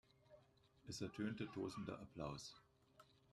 Es ertönte tosender Applaus.